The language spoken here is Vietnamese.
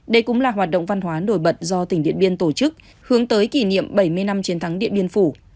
đây cũng là hoạt động văn hóa nổi bật do tỉnh điện biên tổ chức hướng tới kỷ niệm bảy mươi năm chiến thắng điện biên phủ